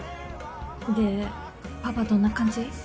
でパパどんな感じ？